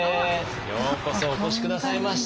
ようこそお越し下さいました。